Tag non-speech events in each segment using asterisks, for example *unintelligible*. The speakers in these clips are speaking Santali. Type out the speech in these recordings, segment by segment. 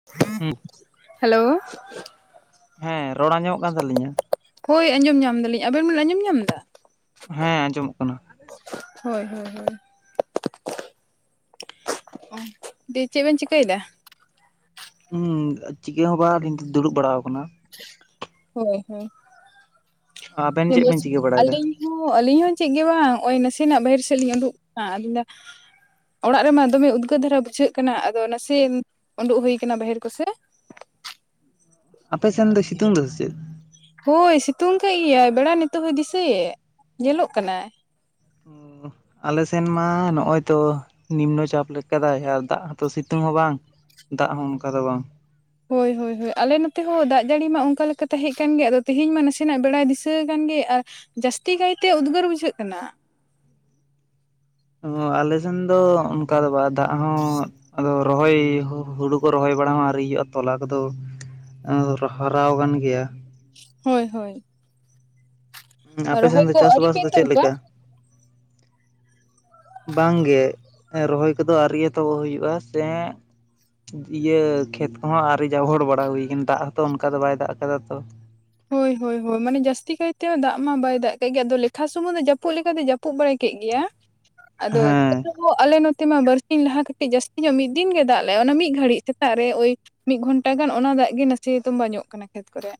*unintelligible* *unintelligible* ᱦᱮᱞᱳ᱾ ᱦᱮᱸ ᱨᱚᱲ ᱟᱸᱡᱚᱢᱚᱜ ᱠᱟᱱ ᱛᱟᱹᱞᱤᱧᱟ? ᱦᱳᱭ ᱟᱸᱡᱚᱢ ᱧᱟᱢ ᱫᱟᱞᱤᱧ ᱟᱵᱮᱱ ᱵᱮᱱ ᱟᱸᱡᱚᱢ ᱧᱟᱢ ᱫᱟ᱾ ᱦᱮᱸ ᱟᱸᱡᱚᱢᱚᱜ ᱠᱟᱱᱟ᱾ ᱦᱳᱭ ᱦᱳᱭ ᱦᱳᱭ᱾ ᱚ ᱫᱤᱭᱮ ᱪᱮᱫ ᱵᱮᱱ ᱪᱤᱠᱟᱹᱭ ᱫᱟ? ᱦᱩᱸ ᱪᱤᱠᱟᱹ ᱦᱚᱸ ᱵᱟᱝ ᱟᱞᱤᱧ ᱫᱚ ᱫᱩᱲᱩᱵ ᱵᱟᱲᱟᱣ ᱠᱟᱱᱟ᱾ ᱦᱳᱭ ᱦᱳᱭ, ᱟᱵᱮᱱ ᱦᱮᱸ ᱪᱮᱫ ᱢᱚᱡᱽ ᱵᱮᱱ ᱪᱤᱠᱟᱹ ᱵᱟᱲᱟᱭᱮᱫᱟ ᱟᱞᱤᱧ ᱚ ᱟᱹᱞᱤᱧ ᱦᱚᱸ ᱪᱮᱫ ᱜᱮ ᱵᱟᱝ ᱱᱚ-ᱚᱭ ᱱᱟᱥᱮᱱᱟᱜ ᱵᱟᱦᱮᱨ ᱥᱮᱫ ᱞᱤᱧ ᱩᱰᱩᱠ ᱠᱟᱱᱟ ᱟᱫᱚᱧ ᱞᱮᱭᱫᱟ ᱚᱲᱟᱜ ᱨᱮᱢᱟ ᱫᱚᱢᱮ ᱩᱫᱽᱜᱟᱹᱨ ᱫᱷᱟᱨᱟ ᱵᱩᱡᱷᱟᱹᱜ ᱠᱟᱱᱟ ᱟᱫᱚ ᱱᱟᱥᱮ ᱩᱰᱩᱜ ᱦᱩᱭᱩ ᱠᱟᱱᱟ ᱵᱟᱦᱮᱨ ᱠᱚᱥᱮ ᱟᱯᱮ ᱥᱮᱱ ᱫᱚᱭ ᱥᱤᱛᱩᱝ ᱫᱚ ᱥᱮ ᱪᱮᱫ? ᱦᱳᱭ ᱥᱤᱛᱩᱝ ᱠᱟᱜ ᱜᱮᱭᱟᱭ ᱵᱮᱲᱟ ᱱᱤᱛᱚᱜ ᱦᱚᱸᱭ ᱫᱤᱥᱟᱹᱭᱮᱫ ᱧᱮᱞᱚᱜ ᱠᱟᱱᱟᱭ ᱟᱞᱮ ᱥᱮᱱ ᱢᱟ ᱱᱚ-ᱚᱭ ᱛᱚ ᱱᱤᱢᱱᱚ ᱪᱟᱯ ᱞᱮᱠᱟ ᱫᱟᱭ ᱟᱨ ᱫᱟᱜ ᱦᱚᱸᱛᱚ ᱥᱤᱛᱩᱝ ᱦᱚᱸ ᱵᱟᱝ ᱫᱟᱜ ᱦᱚᱸ ᱚᱱᱠᱟ ᱫᱚ ᱵᱟᱝ ᱦᱳᱭ ᱦᱳᱭ ᱦᱳᱭ ᱟᱞᱮ ᱱᱚᱛᱮ ᱦᱚᱸ ᱫᱟᱜ ᱡᱟᱹᱲᱤ ᱢᱟ ᱚᱱᱠᱟ ᱞᱮᱠᱟ ᱛᱟᱦᱮᱸ ᱠᱟᱱ ᱜᱮ ᱟᱫᱚ ᱛᱮᱦᱮᱧ ᱢᱟ ᱱᱟᱥᱮᱱᱟᱜ ᱵᱮᱲᱟᱭ ᱫᱤᱥᱟᱹ ᱠᱟᱱ ᱜᱮ ᱟᱨ ᱡᱟᱹᱥᱛᱤ ᱠᱟᱭᱛᱮ ᱩᱫᱽᱜᱟᱹᱨ ᱵᱩᱡᱷᱟᱹᱜ ᱠᱟᱱᱟ᱾ ᱚ ᱟᱞᱮᱥᱮᱱ ᱫᱚ ᱚᱱᱠᱟ ᱫᱚ ᱵᱟᱝ ᱫᱟᱜ ᱦᱚᱸ ᱟᱫᱚ ᱨᱚᱦᱚᱭ ᱦᱚᱸ ᱦᱩᱲᱩ ᱠᱚ ᱨᱚᱦᱚᱭ ᱵᱟᱲᱟ ᱢᱟ ᱟᱹᱣᱨᱤ ᱦᱩᱭᱩᱜ-ᱟ ᱛᱚᱞᱟ ᱠᱚᱫᱚ ᱦᱟᱨᱟᱣ ᱟᱠᱟᱱ ᱜᱮᱭᱟ᱾ ᱦᱳᱭ ᱦᱳᱭ, ᱟᱯᱮ ᱥᱮᱱ ᱨᱚᱦᱚᱭ ᱫᱚ ᱠᱚ ᱟᱹᱣᱨᱤ ᱪᱟᱥᱵᱟᱥ ᱯᱮ ᱫᱚ ᱪᱮᱫ ᱮᱛᱚᱦᱚᱵᱟ? ᱞᱮᱠᱟ? ᱵᱟᱝ ᱜᱮ ᱨᱚᱦᱚᱭ ᱠᱚᱫᱚ ᱟᱨ ᱟᱣᱨᱤ ᱮᱛᱚᱦᱚᱵ ᱦᱩᱭᱩᱜ-ᱟ, ᱥᱮ ᱤᱭᱟᱹ ᱠᱷᱮᱛ ᱠᱚᱦᱚᱸ ᱟᱹᱣᱨᱤ ᱡᱟᱵᱚᱲ ᱵᱟᱲᱟ ᱦᱩᱭ ᱠᱟᱱᱟ ᱫᱟᱜ ᱦᱚᱸᱛᱚ ᱚᱱᱠᱟ ᱫᱚ ᱵᱟᱭ ᱫᱟᱜ ᱠᱟᱫᱟ ᱛᱚ᱾ ᱦᱳᱭ ᱦᱳᱭ ᱦᱳᱭ ᱢᱟᱱᱮ ᱡᱟᱹᱥᱛᱤ ᱠᱟᱭᱛᱮ ᱫᱟᱜ ᱢᱟ ᱵᱟᱭ ᱫᱟᱜ ᱠᱟᱜ ᱜᱮ ᱟᱫᱚ ᱞᱮᱠᱷᱟ ᱥᱩᱢᱩᱝ ᱫᱚ ᱡᱟᱹᱯᱩᱫ ᱞᱮᱠᱟᱛᱮ ᱡᱟᱹᱯᱩᱫ ᱡᱟᱹᱯᱩᱫ ᱵᱟᱲᱟ ᱠᱮᱫ ᱜᱮᱭᱟ, ᱟᱫᱚ ᱦᱮᱸ ᱟᱞᱮ ᱦᱚᱸ ᱟᱞᱮ ᱱᱚᱛᱮ ᱢᱟ ᱵᱟᱨᱥᱤᱧ ᱞᱟᱦᱟ ᱠᱟᱹᱴᱤᱡ ᱡᱟᱹᱥᱛᱤ ᱧᱚᱜ ᱢᱤᱫ ᱫᱤᱱ ᱜᱮ ᱫᱟᱜ ᱞᱮ-ᱟ ᱚᱱᱟ ᱢᱤᱫ ᱜᱷᱟᱹᱲᱤᱡ ᱥᱮᱛᱟᱜ ᱨᱮ ᱳᱭ ᱢᱤᱫ ᱜᱷᱚᱱᱴᱟ ᱜᱟᱱ ᱚᱱᱟ ᱫᱟᱜ ᱜᱮ ᱱᱟᱥᱮ ᱛᱩᱢᱵᱟ ᱧᱚᱜ ᱠᱟᱱᱟ ᱠᱷᱮᱛ ᱠᱚᱨᱮ᱾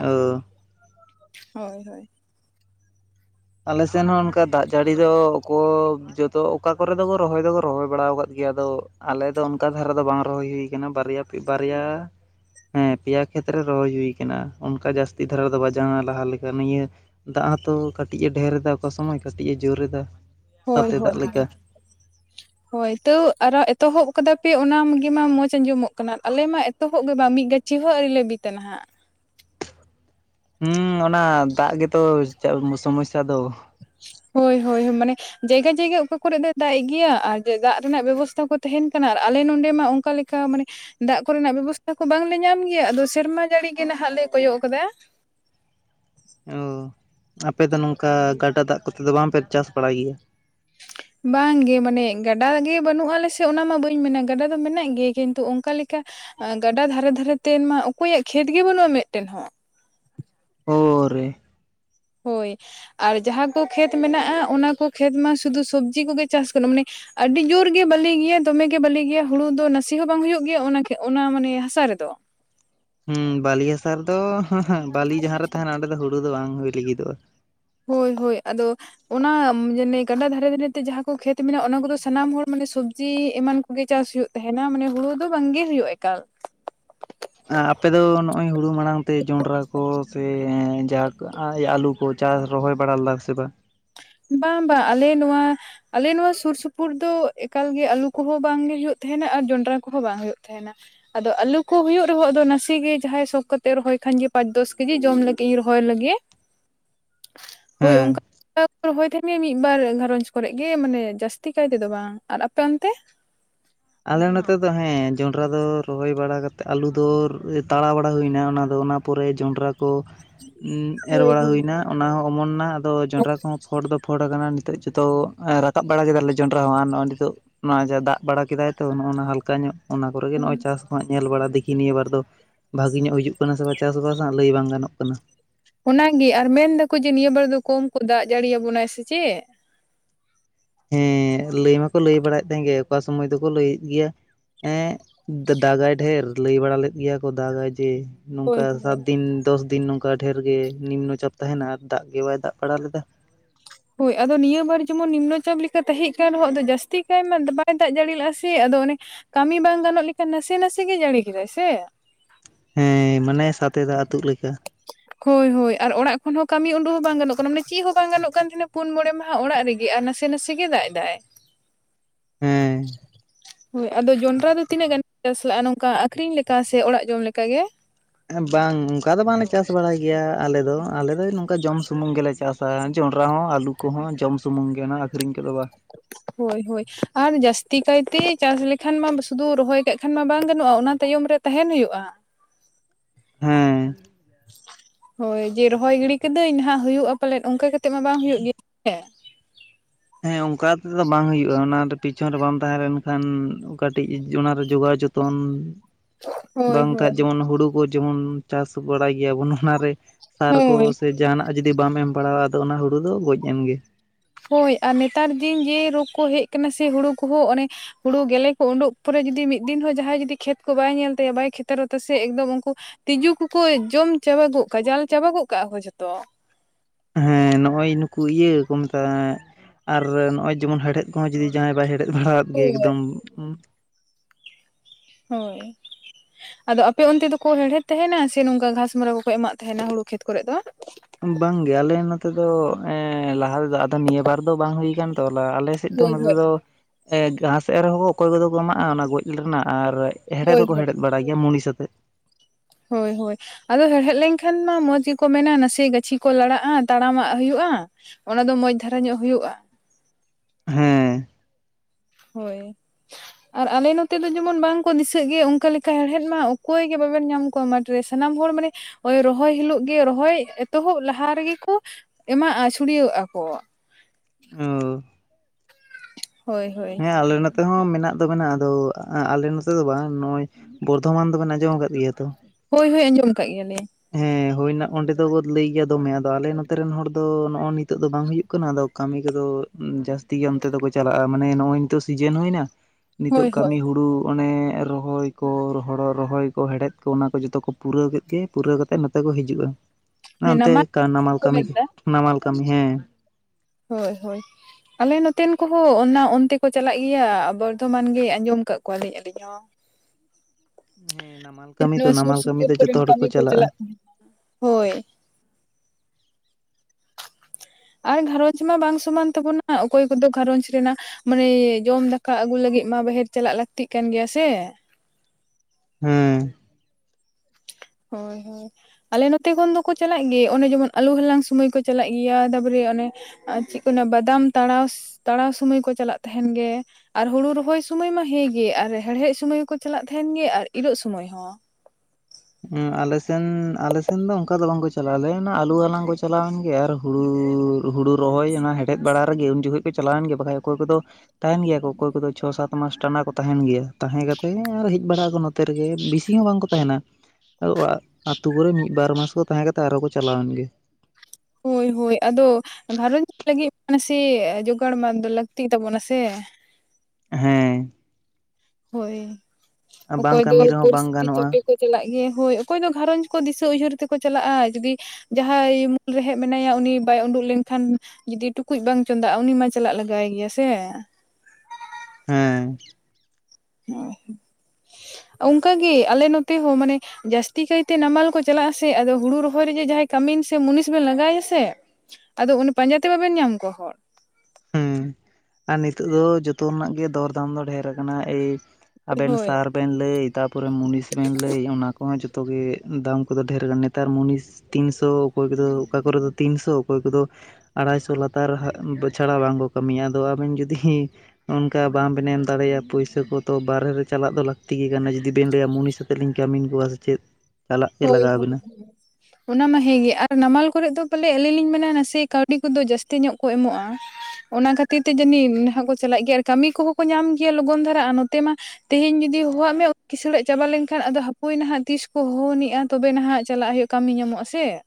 ᱚ ᱦᱳᱭ ᱦᱳᱭ, ᱟᱞᱮ ᱥᱮᱱ ᱦᱚᱸ ᱚᱱᱠᱟ ᱫᱟᱜ ᱡᱟᱹᱲᱤ ᱫᱚ ᱚᱠᱚ ᱡᱚᱛᱚ ᱚᱠᱟ ᱠᱚᱨᱮ ᱫᱚ ᱨᱚᱦᱚᱭ ᱫᱚᱠᱚ ᱨᱚᱦᱚᱭ ᱵᱟᱲᱟ ᱟᱠᱟᱫ ᱜᱮᱭᱟ᱾ ᱟᱫᱚ ᱟᱞᱮ ᱫᱚ ᱚᱱᱠᱟ ᱫᱷᱟᱨᱟ ᱫᱚ ᱵᱟᱝ ᱨᱚᱦᱚᱭ ᱦᱩᱭ ᱟᱠᱟᱱᱟ ᱵᱟᱨᱭᱟ ᱵᱟᱨᱭᱟ, ᱦᱮᱸ ᱯᱮᱭᱟ ᱠᱷᱮᱛ ᱨᱮ ᱨᱚᱦᱚᱭ ᱦᱩᱭ ᱠᱟᱱᱟ ᱚᱱᱠᱟ ᱡᱟᱹᱥᱛᱤ ᱫᱷᱟᱨᱟ ᱫᱚ ᱵᱟᱝ-ᱟ ᱞᱟᱦᱟ ᱞᱮᱠᱟ ᱱᱤᱭᱟᱹ ᱫᱟᱜ ᱦᱚᱸᱛᱚ ᱠᱟᱹᱴᱤᱡ-ᱮ ᱰᱷᱮᱨ ᱮᱫᱟ ᱚᱠᱟ ᱥᱚᱢᱚᱭ ᱠᱟᱹᱴᱤᱡ ᱮ ᱡᱳᱨ ᱫᱟ ᱾ ᱦᱳᱭ ᱦᱳᱭ ᱦᱳᱭ᱾ *inaudible* ᱦᱳᱭ ᱛᱟᱹᱣ ᱟᱨᱚ ᱮᱛᱚᱦᱚᱵ ᱠᱟᱫᱟ ᱯᱮ ᱚᱱᱟ ᱜᱮ ᱢᱟ ᱢᱚᱸᱡᱽ ᱟᱸᱡᱚᱢᱚᱜ ᱠᱟᱱᱟ ᱟᱞᱮ ᱢᱟ ᱮᱛᱚᱦᱚᱵ ᱜᱮ ᱵᱟᱝ ᱢᱤᱫ ᱜᱟᱹᱪᱷᱤ ᱦᱚᱸ ᱟᱹᱣᱨᱤ ᱞᱮ ᱵᱤᱫᱟ ᱱᱟᱦᱟᱸᱜ ᱾ ᱦᱩᱸ ᱚᱱᱟ ᱫᱟᱜ ᱜᱮᱛᱚ ᱥᱚᱢᱚᱥᱟ ᱫᱚ ᱾ ᱦᱳᱭ ᱦᱳᱭ ᱢᱟᱱᱮ ᱡᱟᱭᱜᱟ ᱡᱟᱭᱜᱟ ᱚᱠᱟ ᱠᱚᱨᱮ ᱫᱚ ᱫᱟᱜ ᱮᱫ ᱜᱮᱭᱟ ᱟᱨ ᱫᱟᱜ ᱨᱮᱱᱟᱜ ᱵᱮᱵᱚᱥᱛᱷᱟ ᱠᱚ ᱛᱟᱦᱮᱸᱱ ᱠᱟᱱᱟ ᱟᱨ ᱟᱞᱮ ᱱᱚᱸᱰᱮ ᱢᱟ ᱚᱱᱠᱟ ᱞᱮ ᱠᱟ ᱢᱟᱱᱮ ᱫᱟᱜ ᱠᱚᱨᱮᱱᱟᱜ ᱵᱮᱵᱚᱥᱛᱷᱟ ᱠᱚ ᱵᱟᱝᱞᱮ ᱧᱟᱢ ᱜᱮᱭᱟ ᱟᱫᱚ ᱥᱮᱨᱢᱟ ᱡᱟᱹᱲᱤ ᱜᱮ ᱱᱟᱦᱟᱸᱜ ᱞᱮ ᱠᱚᱭᱚᱜ ᱠᱟᱫᱟ ᱾ ᱚ ᱟᱯᱮ ᱫᱚ ᱱᱚᱝᱠᱟ ᱜᱟᱰᱟ ᱫᱟᱜ ᱠᱚᱛᱮ ᱫᱚ ᱵᱟᱝᱯᱮ ᱪᱟᱥ ᱵᱟᱲᱟᱭ ᱜᱮᱭᱟ? ᱵᱟᱝᱜᱮ ᱢᱟᱱᱮ ᱜᱟᱰᱟ ᱜᱮ ᱵᱟᱹᱱᱩᱜᱼᱟ ᱟᱞᱮᱥᱮᱫ ᱚᱱᱟᱢᱟ ᱵᱟᱹᱧ ᱢᱮᱱᱮᱫ ᱜᱟᱰᱟ ᱫᱚ ᱢᱮᱱᱟᱜ ᱜᱮ ᱠᱤᱱᱛᱩ ᱚᱱᱠᱟ ᱞᱮᱠᱟ ᱟᱸ ᱜᱟᱰᱟ ᱫᱷᱟᱨᱮ ᱫᱷᱟᱨᱮ ᱛᱮᱱ ᱢᱟ ᱚᱠᱚᱭᱟᱜ ᱠᱷᱮᱛ ᱜᱮ ᱵᱟᱹᱱᱩᱜᱼᱟ ᱢᱤᱫᱴᱮᱱ ᱦᱚᱸ ᱾ ᱦᱚᱨᱮ᱾ ᱦᱳᱭ ᱟᱨ ᱡᱟᱦᱟᱸ ᱠᱚ ᱠᱷᱮᱛ ᱢᱮᱱᱟᱜᱼᱟ ᱚᱱᱟ ᱠᱚ ᱠᱷᱮᱛ ᱢᱟ ᱥᱩᱫᱷᱩ ᱥᱚᱵᱽᱡᱤ ᱠᱚᱜᱮ ᱪᱟᱥ ᱜᱟᱱᱚᱜ ᱢᱟᱱᱮ ᱟᱹᱰᱤ ᱡᱳᱨ ᱜᱮ ᱵᱟᱹᱞᱤ ᱜᱮᱭᱟ ᱫᱚᱢᱮ ᱜᱮ ᱵᱟᱹᱞᱤ ᱜᱮᱭᱟ ᱦᱩᱲᱩ ᱫᱚ ᱱᱟᱥᱮ ᱦᱚᱸ ᱵᱟᱝ ᱦᱩᱭᱩᱜ ᱜᱮᱭᱟ ᱚᱱᱟ ᱢᱟᱱᱮ ᱦᱟᱥᱟ ᱨᱮᱫᱚ ᱾ ᱦᱩᱸ ᱵᱟᱹᱞᱤ ᱦᱟᱥᱟ ᱨᱮᱫᱚ ᱵᱟᱹᱞᱤ ᱡᱟᱦᱟᱸ ᱨᱮ ᱛᱟᱦᱮᱸᱱᱟ ᱚᱸᱰᱮ ᱫᱚ ᱦᱩᱲᱩ ᱫᱚ ᱵᱟᱝ ᱦᱩᱭ ᱞᱟᱹᱜᱤᱫᱚᱜᱼᱟ ᱾ ᱦᱳᱭ ᱦᱳᱭ ᱟᱫᱚ ᱚᱱᱟ ᱡᱟᱱᱮ ᱜᱟᱰᱟ ᱫᱷᱟᱨᱮ ᱫᱷᱟᱨᱮ ᱛᱮ ᱡᱟᱦᱟᱸ ᱠᱚ ᱠᱷᱮᱛ ᱢᱮᱱᱟᱜᱼᱟ ᱚᱱᱟ ᱠᱚᱫᱚ ᱥᱟᱱᱟᱢ ᱦᱚᱲ ᱢᱟᱱᱮ ᱥᱚᱵᱽᱡᱤ ᱮᱢᱟᱱ ᱜᱮ ᱪᱟᱥ ᱦᱩᱭᱩᱜ ᱛᱟᱦᱮᱸᱱᱟ ᱢᱟᱱᱮ ᱦᱩᱲᱩ ᱫᱚ ᱵᱟᱝᱜᱮ ᱦᱩᱭᱩᱜᱼᱟ ᱮᱠᱟᱞ ᱾ ᱟᱯᱮ ᱫᱚ ᱱᱚᱸᱜᱼᱚᱭ ᱦᱩᱲᱩ ᱢᱟᱲᱟᱝ ᱛᱮ ᱡᱚᱱᱰᱨᱟ ᱠᱚ ᱥᱮ ᱡᱟᱦᱟᱸ ᱟᱹᱞᱩ ᱠᱚ ᱪᱟᱥ ᱨᱚᱦᱚᱭ ᱵᱟᱲᱟ ᱞᱮᱫᱟ ᱥᱮ ᱵᱟᱝ? ᱵᱟᱝ ᱵᱟᱝ ᱟᱞᱮ ᱱᱚᱣᱟ ᱟᱞᱮ ᱱᱚᱶᱟ ᱥᱩᱨ ᱥᱩᱯᱩᱨ ᱫᱚ ᱮᱠᱟᱞᱜᱮ ᱟᱞᱩ ᱠᱚᱦᱚᱸ ᱵᱟᱝᱜᱮ ᱦᱩᱭᱩᱜ ᱛᱟᱦᱮᱸᱱᱟ ᱟᱨ ᱡᱚᱱᱰᱨᱟ ᱠᱚᱦᱚᱸ ᱵᱟᱝ ᱦᱩᱭᱩᱜ ᱛᱟᱦᱮᱸᱱᱟ ᱾ ᱟᱫᱚ ᱟᱞᱩ ᱠᱚ ᱦᱩᱭᱩᱜ ᱨᱮᱦᱚᱸ ᱟᱫᱚ ᱱᱟᱥᱮ ᱜᱮ ᱡᱟᱦᱟᱸᱭ ᱥᱚᱠ ᱠᱟᱛᱮᱜ ᱨᱚᱦᱚᱭ ᱠᱷᱟᱱ ᱜᱮ ᱯᱟᱸᱪ ᱫᱚᱥ ᱛᱮᱜᱮ ᱡᱚᱢ ᱞᱟᱹᱜᱤᱫ ᱤᱧ ᱨᱚᱦᱚᱭ ᱞᱟᱹᱜᱤᱫᱼᱟ, ᱦᱮᱸ᱾ ᱨᱚᱦᱚᱭ ᱛᱟᱦᱮᱸᱱᱮ ᱢᱤᱫ ᱵᱟᱨ ᱜᱷᱟᱨᱚᱸᱧᱡᱽ ᱠᱚᱨᱮ ᱜᱮ ᱢᱟᱱᱮ ᱡᱟᱹᱥᱛᱤ ᱠᱟᱭ ᱛᱮᱫᱚ ᱵᱟᱝ ᱾ ᱟᱨ ᱟᱯᱮ ᱚᱱᱛᱮ? ᱟᱞᱮ ᱱᱚᱛᱮ ᱫᱚ ᱦᱮᱸ ᱡᱚᱸᱱᱰᱨᱟ ᱫᱚ ᱨᱚᱦᱚᱭ ᱵᱟᱲᱟ ᱠᱟᱛᱮᱫ ᱟᱹᱞᱩ ᱫᱚ ᱛᱟᱲᱟ ᱵᱟᱲᱟ ᱦᱩᱭᱱᱟ ᱚᱱᱟᱫᱚ ᱚᱱᱟ ᱯᱚᱨᱮ ᱡᱚᱸᱰᱨᱟ ᱠᱚ ᱩᱸ ᱮᱨ ᱦᱳᱭ ᱵᱟᱲᱟ ᱦᱳᱭ ᱦᱩᱭᱱᱟ ᱚᱱᱟ ᱦᱚᱸ ᱚᱢᱚᱱ ᱱᱟ ᱟᱫᱚ ᱡᱚᱸᱰᱨᱟ ᱠᱚᱦᱚᱸ ᱯᱷᱚᱴ ᱫᱚ ᱯᱷᱚᱰ ᱠᱟᱱᱟ ᱱᱤᱛᱚᱜ ᱡᱚᱛᱚ ᱨᱟᱠᱟᱵ ᱵᱟᱲᱟ ᱠᱮᱫᱟᱞᱮ ᱡᱚᱸᱰᱨᱟ ᱦᱚᱸ ᱟᱨ ᱱᱚᱸᱜᱼᱚᱭ ᱱᱤᱛᱳᱜ ᱱᱚᱸᱜᱼᱚᱭ ᱡᱟ ᱫᱟᱜ ᱵᱟᱲᱟ ᱠᱮᱫᱟᱭ ᱛᱚ ᱱᱚᱸᱜ ᱱᱚᱣᱟ ᱦᱟᱞᱠᱟ ᱧᱚᱜ ᱚᱱᱟ ᱠᱚᱨᱮ ᱜᱮ ᱦᱮᱸ ᱱᱚᱜᱚᱭ ᱪᱟᱥ ᱥᱚᱢᱳᱡ ᱧᱮᱞ ᱵᱟᱲᱟ ᱫᱤᱠᱷᱤ ᱱᱤᱭᱟᱹ ᱵᱟᱨ ᱫᱚ ᱵᱷᱟᱜᱮ ᱧᱚᱜ ᱦᱤᱡᱩᱜ ᱠᱟᱱᱟ ᱥᱮ ᱵᱟᱝ ᱪᱟᱥᱵᱟᱥ ᱦᱟᱸᱜ ᱞᱟᱹᱭ ᱵᱟᱝ ᱜᱟᱱᱚᱜ ᱠᱟᱱᱟ ᱾ ᱚᱱᱟ ᱜᱮ ᱟᱨ ᱢᱮᱱ ᱫᱟᱠᱚ ᱡᱮ ᱱᱤᱭᱟᱹ ᱵᱟᱨ ᱫᱚ ᱠᱚᱢ ᱠᱚ ᱫᱟᱜ ᱡᱟᱹᱲᱤᱭᱟᱵᱚᱱᱟᱭ ᱥᱮ ᱪᱮᱫ? ᱦᱮᱸ ᱞᱟᱹᱭ ᱢᱟᱠᱚ ᱞᱟᱹᱭ ᱵᱟᱲᱟᱭᱮᱫ ᱛᱟᱦᱮᱸᱱ ᱜᱮ ᱚᱠᱟ ᱥᱚᱢᱚᱭ ᱫᱚᱠᱚ ᱞᱟᱹᱭᱮᱫ ᱜᱮᱭᱟ ᱾ ᱮᱸᱜ ᱫᱟ ᱫᱟᱜᱟᱭ ᱰᱷᱮᱨ ᱞᱟᱹᱭ ᱵᱟᱲᱟ ᱞᱮᱫ ᱜᱮᱭᱟ ᱠᱚ ᱫᱟᱜᱟᱭ ᱡᱮ ᱦᱳᱭ ᱱᱚᱝᱠᱟ ᱦᱳᱭ ᱥᱟᱛᱫᱤᱱ ᱫᱚᱥᱫᱤᱱ ᱱᱚᱝᱠᱟ ᱰᱷᱮᱨᱜᱮ ᱱᱤᱢᱱᱚ ᱪᱟᱯ ᱛᱟᱦᱮᱸᱱᱟ ᱟᱨ ᱫᱟᱜ ᱜᱮ ᱵᱟᱭ ᱫᱟᱜ ᱵᱟᱲᱟ ᱞᱮᱫᱟ ᱾ ᱦᱳᱭ ᱟᱫᱚ ᱱᱤᱭᱟᱹ ᱵᱟᱨ ᱡᱮᱢᱚᱱ ᱱᱤᱢᱱᱚ ᱪᱟᱯ ᱞᱮᱠᱟ ᱛᱟᱦᱮᱸ ᱠᱟᱱ ᱨᱮᱦᱚᱸ ᱫᱚ ᱡᱟᱹᱥᱛᱤ ᱠᱟᱭ ᱢᱟ ᱵᱟᱭ ᱫᱟᱜ ᱡᱟᱹᱲᱤ ᱞᱮᱼᱟ ᱥᱮ ᱟᱫᱚ ᱚᱱᱮ ᱠᱟᱹᱢᱤ ᱵᱟᱝ ᱜᱟᱱᱚᱜ ᱞᱮᱠᱟ ᱱᱟᱥᱮ ᱱᱟᱥᱮ ᱜᱮ ᱡᱟᱹᱲᱮ ᱠᱮᱫᱟᱭ ᱥᱮ? ᱦᱮᱸ ᱢᱟᱱᱮ ᱥᱟᱛᱮ ᱫᱟᱜ ᱟᱹᱛᱩᱜ ᱞᱮᱠᱟ ᱾ ᱦᱳᱭ ᱦᱳᱭ ᱟᱨ ᱚᱲᱟᱜ ᱠᱷᱚᱱ ᱦᱚᱸ ᱠᱟᱹᱢᱤ ᱩᱰᱩ ᱦᱚᱸ ᱵᱟᱝ ᱜᱟᱱᱚᱜ ᱠᱟᱱᱟ ᱢᱟᱱᱮ ᱪᱮᱫ ᱦᱚᱸ ᱵᱟᱝ ᱜᱟᱱᱚᱜ ᱠᱟᱱ ᱛᱟᱦᱮᱸᱱᱟ ᱯᱩᱱ ᱢᱚᱬᱮ ᱢᱟᱦᱟᱸ ᱚᱲᱟᱜ ᱨᱮᱜᱮ ᱟᱨ ᱱᱟᱥᱮ ᱱᱟᱥᱮ ᱱᱟᱥᱮ ᱜᱮᱭ ᱫᱟᱜ ᱮᱫᱟᱭ᱾ ᱦᱮᱸ ᱦᱳᱭ ᱟᱫᱚ ᱡᱚᱱᱰᱨᱟ ᱫᱚ ᱛᱤᱱᱟᱹᱜ ᱜᱟᱱ ᱪᱟᱥ ᱞᱮᱜᱼᱟ ᱱᱚᱝᱠᱟ ᱟᱹᱠᱷᱨᱤᱧ ᱞᱮ ᱠᱟ ᱥᱮ ᱚᱲᱟᱜ ᱡᱚᱢ ᱞᱮᱠᱟᱜᱮ? ᱵᱟᱝ ᱚᱱᱠᱟ ᱫᱚ ᱵᱟᱝᱞᱮ ᱪᱟᱥ ᱵᱟᱲᱟᱭ ᱜᱮᱭᱟ ᱟᱞᱮᱫᱚ, ᱟᱞᱮᱫᱚ ᱱᱚᱝᱠᱟ ᱡᱚᱢ ᱥᱩᱢᱩᱝ ᱜᱮᱞᱮ ᱪᱟᱥᱟ ᱡᱚᱱᱰᱨᱟ ᱦᱚᱸ ᱟᱞᱩ ᱠᱚᱦᱚᱸ ᱡᱚᱢ ᱥᱩᱢᱩᱝ ᱜᱮ ᱚᱱᱟ ᱟᱹᱠᱷᱨᱤᱧ ᱠᱚ ᱫᱚ ᱵᱟᱝ᱾ *inaudible* ᱦᱳᱭ ᱦᱳᱭ ᱟᱨ ᱡᱟᱹᱥᱛᱤ ᱠᱟᱭᱛᱮ ᱪᱟᱥ ᱞᱮᱠᱷᱟᱱ ᱢᱟ ᱥᱩᱫᱩ ᱨᱚᱦᱚᱭ ᱠᱟᱜ ᱠᱷᱟᱱ ᱢᱟ ᱵᱟᱝ ᱜᱟᱱᱚᱜ-ᱟ, ᱚᱱᱟ ᱛᱟᱭᱚᱢ ᱨᱮ ᱛᱟᱦᱮᱱ ᱦᱩᱭᱩᱜ-ᱟ᱾ ᱦᱮᱸᱻ ᱦᱳᱭ ᱡᱮ ᱨᱚᱦᱚᱭ ᱜᱤᱰᱤ ᱠᱟᱹᱫᱟᱹᱧ ᱱᱟᱦᱟᱜ ᱦᱩᱭᱩᱜ-ᱟ ᱯᱟᱞᱮᱫ ᱚᱱᱠᱟ ᱠᱟᱛᱮᱜ ᱢᱟ ᱵᱟᱝ ᱦᱩᱭᱩᱜ ᱜᱮ᱾ ᱦᱮᱸ ᱚᱱᱠᱟ ᱛᱮᱫᱚ ᱵᱟᱝ ᱦᱩᱭᱩᱜ-ᱟ ᱚᱱᱟᱨᱮ ᱯᱤᱪᱷᱚᱱ ᱨᱮ ᱵᱟᱢ ᱛᱟᱦᱮᱸ ᱞᱮᱱ ᱠᱷᱟᱱ ᱠᱟᱹᱴᱤᱡ ᱚᱱᱟᱨᱮ ᱡᱚᱜᱟᱣ ᱡᱚ ᱛᱚᱱ᱾ ᱦᱳᱭ ᱦᱳᱭ ᱵᱟᱝᱠᱷᱟᱡ ᱡᱮᱢᱚᱱ ᱦᱩᱲᱩ ᱠᱚ ᱡᱮᱢᱚᱱ ᱪᱟᱥ ᱵᱟᱲᱟᱭ ᱜᱮᱭᱟᱵᱚᱱ ᱚᱱᱟᱨᱮ ᱥᱟᱨ ᱠᱚ ᱦᱳᱭ ᱥᱮ ᱡᱟᱦᱟᱱᱟᱜ ᱡᱩᱫᱤ ᱵᱟᱢ ᱮᱢ ᱵᱟᱲᱟᱣᱟᱫ ᱚᱱᱟ ᱦᱩᱲᱩ ᱫᱚ ᱜᱚᱡ ᱮᱱᱜᱮ᱾ ᱦᱳᱭ ᱟᱨ ᱱᱮᱛᱟᱨ ᱫᱤᱱ ᱡᱮ ᱨᱳᱜᱽ ᱠᱚ ᱦᱮᱡ ᱟᱠᱟᱱᱟ ᱥᱮ ᱦᱩᱲᱩ ᱠᱚᱦᱚᱸ ᱚᱱᱮ ᱦᱩᱲᱩ ᱜᱮᱞᱮ ᱠᱚ ᱩᱰᱩᱠ ᱯᱚᱨᱮ ᱡᱩᱫᱤ ᱢᱤᱫ ᱫᱤᱱ ᱦᱚᱸ ᱡᱟᱦᱟᱸᱭ ᱡᱩᱫᱤ ᱠᱷᱮᱛ ᱠᱚ ᱵᱟᱭ ᱧᱮᱞ ᱛᱟᱭᱟ ᱵᱟᱭ ᱠᱷᱮᱛᱟᱨᱚᱛᱟ ᱥᱮ ᱮᱠᱫᱚᱢ ᱩᱱᱠᱩ ᱛᱤᱡᱩ ᱠᱚᱠᱚ ᱡᱚᱢ ᱪᱟᱵᱟ ᱜᱚᱜ ᱠᱟᱜ-ᱟ, ᱡᱟᱞ ᱪᱟᱵᱟ ᱜᱚᱜ ᱠᱟᱜ-ᱟ ᱠᱚ ᱡᱷᱚᱛᱚ᱾ ᱦᱮᱸ ᱱᱚᱜ-ᱚᱭ ᱱᱩᱠᱩ ᱤᱭᱟᱹ ᱠᱚ ᱢᱮᱛᱟᱜ-ᱟ, ᱟᱨ ᱱᱚᱜ-ᱚᱭ ᱡᱮᱢᱚᱱ ᱦᱮᱲᱦᱮᱫ ᱠᱚᱦᱚᱸ ᱡᱩᱫᱤ ᱡᱟᱦᱟᱸᱭ ᱵᱟᱭ ᱦᱮᱲᱦᱮᱫ ᱵᱟᱲᱟᱣᱟᱫ ᱜᱮ ᱦᱳᱭ ᱮᱠᱫᱚᱢ ᱦᱳᱭ ᱟᱫᱚ ᱟᱯᱮ ᱚᱱᱛᱮ ᱫᱚᱠᱚ ᱦᱮᱲᱦᱮᱫ ᱛᱟᱦᱮᱱᱟ ᱥᱮ ᱱᱚᱝᱠᱟ ᱜᱷᱟᱥᱢᱚᱨᱟ ᱠᱚᱠᱚ ᱮᱢᱟᱜ ᱛᱟᱦᱮᱱᱟ ᱦᱩᱲᱩ ᱠᱷᱮᱛ ᱠᱚᱨᱮᱜ ᱫᱚ? ᱵᱟᱝ ᱜᱮ ᱟᱞᱮ ᱱᱚᱛᱮ ᱫᱚ ᱮᱸᱻ ᱞᱟᱦᱟ ᱛᱮᱫᱚ ᱟᱫᱚ ᱱᱤᱭᱟᱹ ᱵᱟᱨ ᱫᱚ ᱵᱟᱝ ᱦᱩᱭ ᱠᱟᱱ ᱛᱚᱞᱟ ᱟᱞᱮ ᱥᱮᱫ ᱫᱚ ᱦᱳᱭ ᱱᱚᱛᱮ ᱦᱳᱭ ᱫᱚ ᱮᱜ ᱜᱷᱟᱥ ᱮᱨ ᱦᱚᱸ ᱚᱠᱚᱭ ᱠᱚᱫᱚ ᱠᱚ ᱮᱢᱟᱜ-ᱟ ᱚᱱᱟ ᱜᱚᱡ ᱨᱮᱱᱟᱜ ᱟᱨ ᱦᱮᱲᱦᱮᱫ ᱦᱳᱭ ᱦᱚᱠᱚ ᱦᱳᱭ ᱦᱮᱲᱦᱮᱫ ᱵᱟᱲᱟᱭ᱾ ᱜᱮ ᱢᱩᱱᱤᱥ ᱟᱛᱮᱜ᱾ ᱦᱳᱭ ᱦᱳᱭ ᱟᱫᱚ ᱦᱮᱲᱦᱮᱫ ᱞᱮᱱᱠᱷᱟᱱ ᱢᱟ ᱢᱚᱸᱡᱽ ᱜᱮᱠᱚ ᱢᱮᱱᱟ ᱱᱟᱥᱮ ᱜᱟᱹᱪᱷᱤ ᱠᱚ ᱞᱟᱲᱟᱜ-ᱟ ᱛᱟᱲᱟᱢᱟᱜ ᱦᱩᱭᱩᱜ-ᱟ᱾ ᱚᱱᱟ ᱫᱚ ᱢᱚᱸᱡᱽ ᱫᱷᱟᱨᱟ ᱧᱚᱜ ᱦᱩᱭᱩᱜ-ᱟ᱾ ᱦᱮᱸᱻ ᱦᱳᱭᱻ ᱟᱨ ᱟᱞᱮ ᱱᱚᱛᱮ ᱫᱚ ᱡᱮᱢᱚᱱ ᱵᱟᱝ ᱠᱚ ᱫᱤᱥᱟᱹᱜ ᱜᱮ ᱚᱱᱠᱟ ᱞᱮᱠᱟ ᱦᱮᱲᱦᱮᱫ ᱢᱟ ᱚᱠᱚᱭ ᱜᱮ ᱵᱟᱵᱮᱱ ᱧᱟᱢ ᱠᱚᱣᱟ ᱢᱟᱴ ᱨᱮ ᱥᱟᱱᱟᱢ ᱦᱚᱲ ᱢᱟᱱᱮ ᱨᱚᱦᱚᱭ ᱦᱤᱞᱳᱜ ᱜᱮ ᱨᱚᱦᱚᱭ ᱮᱛᱚᱦᱚᱵ ᱞᱟᱦᱟ ᱨᱮᱜᱮ ᱠᱚ ᱮᱢᱟᱜ-ᱟ ᱪᱷᱩᱲᱭᱟᱹᱜ-ᱟ ᱠᱚ᱾ ᱳᱻ ᱦᱳᱭ ᱦᱳᱭ ᱦᱮᱸ ᱟᱞᱮ ᱱᱚᱛᱮ ᱱᱚᱛᱮ ᱦᱚᱸ ᱢᱮᱱᱟᱜ ᱫᱚ ᱢᱮᱱᱟᱜ-ᱟ ᱟᱫᱚ ᱟᱞᱮ ᱱᱚᱛᱮ ᱫᱚ ᱵᱟᱝ ᱱᱚᱜ-ᱚᱭ ᱵᱚᱨᱫᱷᱚᱢᱟᱱ ᱫᱚᱵᱮᱱ ᱟᱸᱡᱚᱢ ᱟᱠᱟᱫ ᱜᱮᱭᱟ ᱛᱚ? ᱦᱳᱭ ᱦᱳᱭ ᱟᱸᱡᱚᱢ ᱟᱠᱟᱫ ᱜᱮᱭᱟᱞᱤᱧ᱾ ᱦᱮᱸ ᱦᱳᱭᱱᱟ ᱚᱸᱰᱮ ᱫᱚ ᱞᱟᱹᱭ ᱜᱮᱭᱟ ᱫᱚᱢᱮ ᱟᱫᱚ ᱟᱞᱮ ᱱᱚᱛᱮ ᱨᱮᱱ ᱦᱚᱲ ᱫᱚ ᱱᱚᱜ-ᱚᱭ ᱱᱤᱛᱚᱜ ᱫᱚ ᱵᱟᱝ ᱦᱩᱭᱩᱜ ᱠᱟᱱᱟ ᱟᱫᱚ ᱠᱟᱹᱢᱤ ᱠᱚᱫᱚ ᱡᱟᱹᱥᱛᱤ ᱜᱮ ᱚᱱᱛᱮ ᱫᱚᱠᱚ ᱪᱟᱞᱟᱜ-ᱟ ᱢᱟᱱᱮ ᱱᱚᱜ-ᱚᱭ ᱱᱤᱛᱚᱜ ᱥᱤᱡᱤᱱ ᱦᱩᱭᱱᱟ, ᱱᱤᱛᱚᱜ ᱦᱳᱭ ᱦᱳᱭ ᱠᱟᱹᱢᱤ ᱦᱩᱲᱩ ᱚᱱᱮ ᱨᱚᱦᱚᱭ ᱠᱚ ᱦᱳᱲᱳ ᱨᱚᱦᱚᱭ ᱠᱚ ᱦᱮᱲᱦᱮᱫ ᱠᱚ ᱚᱱᱟ ᱠᱚ ᱡᱚᱛᱚ ᱠᱚ ᱯᱩᱨᱟᱹᱣ ᱠᱮᱫ ᱜᱮ, ᱯᱩᱨᱟᱹᱣ ᱠᱟᱛᱮᱫ ᱱᱚᱛᱮ ᱠᱚ ᱦᱤᱡᱩᱜ-ᱟ, ᱚᱱᱛᱮ ᱱᱟᱢᱟᱞ *inaudible* ᱱᱟᱢᱟᱞ ᱠᱚ ᱠᱟᱹᱢᱤ ᱢᱮᱱᱫᱟ ᱱᱟᱢᱟᱞ ᱠᱟᱹᱢᱤ ᱦᱮᱸ᱾ ᱦᱳᱭ, ᱦᱳᱭ ᱟᱞᱮ ᱱᱚᱛᱮᱱ ᱠᱚᱦᱚᱸ ᱚᱱᱟ ᱚᱱᱛᱮ ᱠᱚ ᱪᱟᱞᱟᱜ ᱜᱮᱭᱟ ᱵᱚᱨᱫᱷᱚᱢᱟᱱ ᱜᱮ ᱟᱸᱡᱚᱢ ᱠᱟᱫ ᱠᱚᱣᱟᱞᱤᱧ ᱟᱹᱞᱤᱧ ᱦᱚᱸ᱾ ᱦᱮᱸ ᱱᱟᱢᱟᱞ ᱠᱟᱹᱢᱤ ᱛᱚ ᱱᱚᱣᱟ ᱥᱩᱨ ᱱᱟᱢᱟᱞ ᱠᱟᱹᱢᱤ ᱥᱩᱯᱩᱨ ᱫᱚ ᱡᱚᱛᱚ ᱠᱚᱨᱮᱱ ᱦᱚᱲ ᱜᱮᱠᱚ ᱠᱟᱹᱢᱤ ᱠᱚ ᱪᱟᱞᱟᱜᱼᱟ ᱪᱟᱞᱟᱜ ᱛᱟᱦᱮᱸᱱᱟ *inaudible* ᱦᱳᱭ᱾ ᱟᱨ ᱜᱷᱟᱨᱚᱧᱡᱽ ᱢᱟ ᱵᱟᱝ ᱥᱚᱢᱟᱱ ᱛᱟᱵᱚᱱᱟ ᱚᱠᱚᱭ ᱠᱚᱫᱚ ᱜᱷᱟᱨᱚᱧᱡᱽ ᱨᱮᱱᱟᱜ ᱢᱟᱱᱮ ᱡᱚᱢ ᱫᱟᱠᱟ ᱟᱹᱜᱩ ᱞᱟᱹᱜᱤᱫ ᱢᱟ ᱵᱟᱦᱮᱨ ᱪᱟᱞᱟᱜ ᱞᱟᱹᱠᱛᱤᱜ ᱠᱟᱱ ᱜᱮᱭᱟ ᱥᱮ᱾ ᱦᱮᱸᱻ ᱦᱳᱭ, ᱦᱳᱭ ᱟᱞᱮ ᱱᱚᱛᱮ ᱠᱷᱚᱱ ᱫᱚᱠᱚ ᱪᱟᱞᱟᱜ ᱜᱮ᱾ ᱚᱱᱮ ᱡᱮᱢᱚᱱ ᱟᱹᱞᱩ ᱦᱟᱞᱟᱝ ᱥᱩᱢᱚᱭ ᱠᱚ ᱪᱟᱞᱟᱜ ᱜᱮᱭᱟ ᱛᱟᱯᱚᱨᱮ ᱚᱱᱮ ᱟᱨ ᱪᱮᱫ ᱠᱚ ᱚᱱᱥ ᱵᱟᱫᱟᱢ ᱛᱟᱲᱟᱣᱥ ᱛᱟᱲᱟᱣ ᱥᱩᱢᱚᱭ ᱠᱚ ᱪᱟᱞᱟᱜ ᱛᱟᱦᱮᱱ ᱜᱮ᱾ ᱟᱨ ᱦᱩᱲᱩ ᱨᱚᱦᱚᱭ ᱥᱳᱢᱚᱭ ᱢᱟ ᱦᱮᱸ ᱜᱮ, ᱟᱨ ᱦᱮᱲᱦᱮᱫ ᱥᱢᱳᱭ ᱦᱚᱠᱚ ᱪᱟᱞᱟᱜ ᱛᱟᱦᱮᱱ ᱜᱮ, ᱟᱨ ᱤᱨᱚᱜ ᱥᱳᱢᱚᱹᱭ ᱦᱚᱸ᱾ ᱦᱩᱸ ᱟᱞᱮ ᱥᱮᱱ, ᱟᱞᱮ ᱥᱮᱱ ᱫᱚ ᱚᱱᱠᱟ ᱫᱚ ᱵᱟᱝᱠᱚ ᱪᱟᱞᱟᱜ-ᱟ ᱟᱞᱮ ᱚᱱᱟ ᱟᱹᱞᱩ ᱦᱟᱞᱟᱝ ᱠᱚ ᱪᱟᱞᱟᱣᱮᱱ ᱜᱮ ᱟᱨ ᱦᱳᱲᱩ ᱦᱳᱲᱩ ᱨᱚᱦᱚᱭ ᱚᱱᱟ ᱦᱮᱲᱮᱫ ᱵᱟᱲᱟ ᱨᱮᱜᱮ ᱩᱱ ᱡᱚᱠᱷᱚᱡ ᱠᱚ ᱪᱟᱞᱟᱣᱮᱱ ᱜᱮ ᱵᱟᱠᱷᱟᱡ ᱚᱠᱚᱭ ᱠᱚ ᱫᱚ ᱦᱩ ᱛᱟᱦᱮᱱ ᱜᱮᱭᱟ ᱠᱚ ᱚᱠᱚᱭ ᱠᱚᱫᱚ ᱪᱷᱚ ᱥᱟᱛ ᱢᱟᱥ ᱴᱟᱱᱟ ᱠᱚ ᱛᱟᱦᱮᱸᱱ ᱜᱮᱭᱟ᱾ ᱛᱟᱦᱮᱸ ᱠᱟᱛᱮ ᱟᱨ ᱦᱮᱡ ᱵᱟᱲᱟᱜ ᱟᱠᱚ ᱱᱚ ᱛᱮ ᱨᱮᱜᱮ᱾ ᱵᱮᱥᱤ ᱦᱚᱸ ᱵᱟᱝ ᱠᱚ ᱛᱟᱦᱮᱱᱟ᱾ ᱟᱣ ᱚᱲᱟᱜ ᱟᱛᱳ ᱠᱚᱨᱮ ᱢᱤᱫ ᱵᱟᱨ ᱢᱟᱥ ᱠᱚ ᱛᱟᱦᱮᱸ ᱠᱟᱛᱮ ᱟᱨ ᱠᱚ ᱪᱟᱞᱟᱣᱮᱱ ᱜᱮ᱾ ᱦᱳᱭ ᱦᱳᱭ ᱟᱫᱚ ᱜᱷᱟᱨᱚᱧᱡᱽ ᱞᱟᱹᱜᱤᱫ ᱢᱟᱱᱮ ᱥᱮ ᱡᱚᱜᱟᱲ ᱢᱟ ᱫᱚ ᱞᱟᱹᱠᱛᱤᱜ ᱛᱟᱵᱚᱱᱟ ᱥᱮ᱾ ᱦᱮᱸ᱾ ᱦᱳᱭ᱾ ᱵᱟᱝ ᱚᱠᱚᱭ ᱫᱚ ᱠᱟᱹᱢᱤ ᱨᱮᱦᱚᱸ ᱵᱟᱝ ᱯᱚᱨᱤᱥᱛᱷᱤ ᱜᱟᱱᱚᱜᱼᱟ᱾ ᱪᱟᱯᱮ ᱠᱚ ᱪᱟᱞᱟᱜ ᱜᱮᱭᱟ ᱦᱳᱭ᱾ ᱚᱠᱚᱭ ᱫᱚ ᱜᱷᱟᱨᱚᱸᱡᱽ ᱠᱚ ᱫᱤᱥᱟᱹ ᱩᱭᱦᱟᱹᱨ ᱛᱮᱠᱚ ᱪᱟᱞᱟᱜᱼᱟ ᱡᱩᱫᱤ ᱡᱟᱦᱟᱸᱭ ᱢᱩᱞ ᱨᱮᱦᱮᱫ ᱢᱮᱱᱟᱭᱟ ᱩᱱᱤ ᱵᱟᱭ ᱩᱰᱩᱜ ᱞᱮᱱᱠᱷᱟᱱ ᱡᱩᱫᱤ ᱴᱩᱠᱩᱡ ᱵᱟᱝ ᱪᱚᱸᱫᱟᱜ-ᱟ᱾ ᱩᱱᱤ ᱢᱟ ᱪᱟᱞᱟᱜ ᱞᱟᱜᱟᱣᱟᱭ ᱜᱮᱭᱟ ᱥᱮ᱾ ᱦᱮᱸ᱾ *inaudible* ᱚᱱᱠᱟ ᱜᱮ ᱟᱞᱮ ᱱᱚᱛᱮ ᱦᱚᱸ ᱢᱟᱱᱮ ᱡᱟᱹᱥᱛᱤ ᱠᱟᱭ ᱛᱮ ᱱᱟᱢᱟᱞ ᱠᱚ ᱪᱟᱞᱟᱜ ᱟᱥᱮ ᱟᱫᱚ ᱦᱩᱲᱩ ᱨᱚᱦᱚᱭ ᱨᱮᱜᱮ ᱡᱟᱦᱟᱸᱭ ᱠᱟᱹᱢᱤᱱ ᱥᱮ ᱢᱩᱱᱤᱥ ᱵᱮᱱ ᱞᱟᱜᱟᱭᱟ ᱥᱮ ᱟᱫᱚ ᱚᱱᱮ ᱯᱟᱸᱡᱟ ᱛᱮ ᱵᱟᱵᱮᱱ ᱧᱟᱢ ᱠᱚᱣᱟ ᱦᱚᱲ᱾ ᱦᱩᱸ ᱟᱨ ᱱᱤᱛᱚᱜ ᱫᱚ ᱡᱚᱛᱚ ᱨᱮᱱᱟᱜ ᱜᱮ ᱫᱚᱨ ᱫᱟᱢ ᱫᱚ ᱰᱷᱮᱨ ᱟᱠᱟᱱᱟ ᱮᱭ ᱟᱵᱮᱱ ᱦᱳᱭ ᱥᱟᱨ ᱵᱮᱱ ᱞᱟᱹᱭ ᱛᱟᱯᱚᱨᱮ ᱢᱩᱱᱤᱥ ᱵᱮᱱ ᱞᱟᱹᱭ ᱚᱱᱟ ᱠᱚᱦᱚᱸ ᱡᱷᱛᱚᱜ ᱜᱮ ᱫᱟᱢ ᱠᱚᱫᱚ ᱰᱷᱮᱨ ᱠᱟᱱᱟ᱾ ᱱᱮᱛᱟᱨ ᱢᱩᱱᱤᱥ ᱛᱤᱱᱥᱚ ᱚᱠᱚᱭ ᱠᱚᱫᱚ ᱚᱠᱟ ᱠᱚᱨᱮ ᱫᱚ ᱛᱤᱱᱥᱚ ᱚᱠᱚᱭ ᱠᱚᱫᱚ ᱟᱲᱟᱭᱥᱚ ᱞᱟᱛᱟᱨ ᱦᱟᱜ ᱪᱷᱟᱲᱟ ᱵᱟᱝ ᱠᱚ ᱠᱟᱹᱢᱤᱭᱟ ᱟᱫᱚ ᱟᱵᱮᱱ ᱡᱩᱫᱤ ᱚᱱᱠᱟ ᱵᱟᱝ ᱵᱮᱱ ᱮᱢ ᱫᱟᱲᱮᱭᱟᱜᱼᱟ ᱯᱩᱭᱥᱟᱹ ᱠᱚ ᱛᱚ ᱵᱟᱨᱦᱮ ᱨᱮ ᱪᱟᱞᱟᱜ ᱫᱚ ᱞᱟᱹᱠᱛᱤ ᱜᱮ ᱠᱟᱱᱟ᱾ ᱡᱩᱫᱤ ᱵᱮᱱ ᱞᱟᱹᱭᱟ ᱢᱩᱱᱤᱥ ᱛᱮᱞᱤᱧ ᱠᱟᱹᱢ ᱠᱚᱣᱟ ᱥᱮ ᱪᱮᱫᱺ ᱪᱟᱞᱟᱜ ᱜᱮ ᱦᱳᱭ ᱞᱟᱜᱟᱣ ᱵᱤᱱᱟ᱾ ᱦᱳᱭ ᱚᱱᱟ ᱢᱟ ᱦᱮᱸ ᱜᱮ ᱟᱨ ᱱᱟᱢᱟᱞ ᱠᱚᱨᱮᱫ ᱫᱚ ᱯᱟᱞᱮ ᱟᱹᱞᱤᱧ ᱞᱤᱧ ᱢᱮᱱᱟ ᱱᱟᱥᱮ ᱠᱟᱹᱣᱰᱤ ᱠᱚᱫᱚ ᱡᱟᱹᱥᱛᱤ ᱧᱚᱜ ᱠᱚ ᱮᱢᱚᱜ-ᱟ᱾ ᱚᱱᱟ ᱠᱷᱟᱹᱛᱤᱨ ᱛᱮ ᱡᱟᱹᱱᱤᱡ ᱱᱟᱦᱟᱜ ᱠᱚ ᱪᱟᱞᱟᱜ ᱜᱮᱭᱟ ᱟᱨ ᱠᱟᱹᱢᱤ ᱠᱚᱦᱚᱸ ᱠᱚ ᱧᱟᱢ ᱜᱮᱭᱟ ᱞᱚᱜᱚᱱ ᱫᱷᱟᱨᱟ ᱟᱨ ᱱᱚᱛᱮ ᱢᱟ ᱛᱮᱦᱮᱧ ᱡᱩᱫᱤ ᱦᱚᱦᱚᱣᱟᱜ ᱢᱮ ᱠᱤᱥᱟᱹᱲᱟᱜ ᱪᱟᱵᱟ ᱞᱮᱱᱠᱷᱟᱱ ᱟᱫᱚ ᱦᱟᱯᱚᱭ ᱱᱟᱦᱟᱜ ᱛᱤᱥ ᱠᱚ ᱦᱚᱦᱚᱣᱟᱱᱤᱡ ᱛᱚᱵᱮ ᱱᱟᱦᱟᱜ ᱪᱟᱞᱟᱜ ᱦᱳᱭᱳᱜ ᱠᱟᱹᱢᱤ ᱧᱟᱢᱚᱜ-ᱟ ᱥᱮ᱾